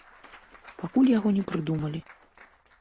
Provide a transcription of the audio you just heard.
Пакуль яго не прыдумалі.